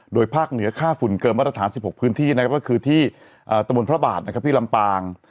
โดยภาคเหนือค่าฝุ่นเกินมาตรฐาน๑๖พื้นที่นะครับก็คือที่ตะบนพระบาทที่ลำปาง